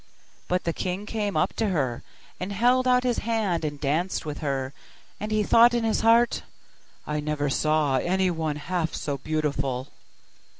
But the king came up to her, and held out his hand and danced with her; and he thought in his heart, 'I never saw any one half so beautiful.